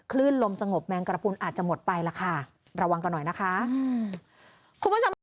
คลื่นลมสงบแมงกระพูลอาจจะหมดไปล่ะค่ะระวังกันหน่อยนะคะอืม